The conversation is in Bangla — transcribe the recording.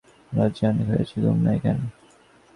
রাত যে অনেক হইয়াছে, ঘুম নাই কেন?